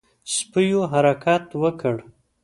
سپيو حرکت وکړ.